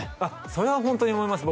それはホントに思います